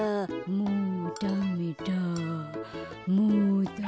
もうダメだ。